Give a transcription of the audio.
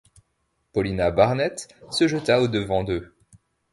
Paulina Barnett se jeta au-devant d’eux.